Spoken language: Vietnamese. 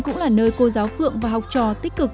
cũng là nơi cô giáo phượng và học trò tích cực